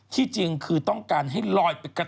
จริงคือต้องการให้ลอยไปกระ